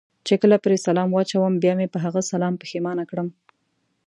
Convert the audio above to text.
چې کله پرې سلام واچوم بیا مې په هغه سلام پښېمانه کړم.